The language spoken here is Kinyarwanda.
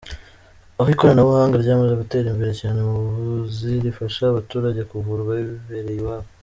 Aho ikoranabuhanga ryamaze gutera imbere cyane, mu buvuzi rifasha abaturage kuvurwa bibereye iwabo.